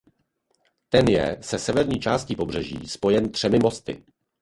Ten je se severní částí pobřeží spojen třemi mosty.